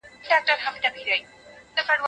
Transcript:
موږ د خپل کلي ویالې پاکې کړې.